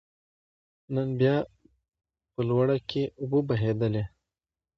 نن بيا په لوړه کې اوبه بهېدلې